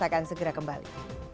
akan segera kembali